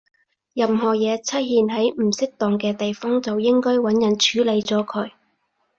任何嘢出現喺唔適當嘅地方，就應該搵人處理咗佢